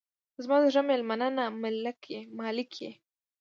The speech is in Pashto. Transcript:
• ته زما د زړه میلمانه نه، مالک یې.